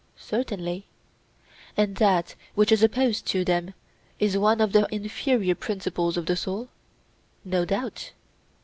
Certainly. And that which is opposed to them is one of the inferior principles of the soul? No doubt.